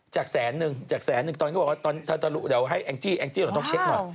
จากแสนนึงเดี๋ยวให้แอนกกิจิน่ะต้องเช็คหน่อย